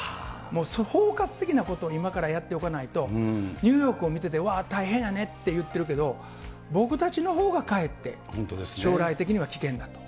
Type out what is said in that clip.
包括的なことを今からやっておかないと、ニューヨークを見てて、わー、大変やねって言ってるけど、僕たちのほうがかえって、将来的には危険だと。